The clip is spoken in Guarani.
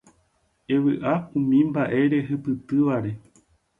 Evy'a umi mba'e rehupytývare